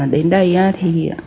đến đây thì